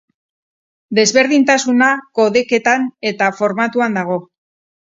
Desberdintasuna kodeketan eta formatuan dago.